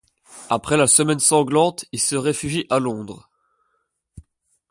Après la Semaine sanglante, il se réfugie à Londres.